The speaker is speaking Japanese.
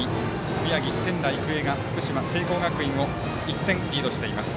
宮城・仙台育英が福島・聖光学院を１点リードしています。